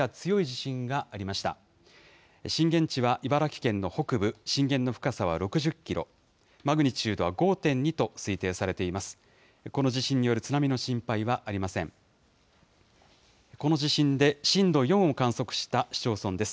震源地は茨城県の北部、震源の深さは６０キロ、マグニチュードは５．２と推定されています。